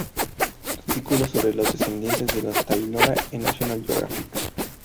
Artículo sobre los descendientes de los Tayrona en National Geographic.